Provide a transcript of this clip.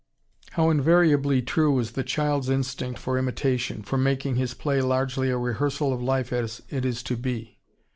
] How invariably true is the child's instinct for imitation, for making his play largely a "rehearsal of life as it is to be."